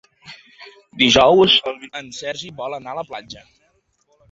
Dijous en Sergi vol anar a la platja.